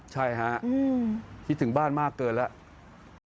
ใช่ฮะคิดถึงบ้านมากเกินแล้ว